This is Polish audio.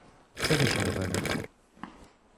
Co wiesz o rowerach?